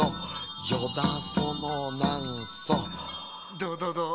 どうどうどう？